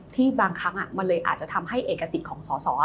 ที่บางครั้งอาจจะทำให้เอกสิทธิ์ของสอ